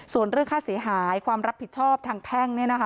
ส่วนเรื่องค่าเสียหายความรับผิดชอบทางแพ่ง